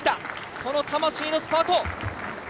その魂のスパート。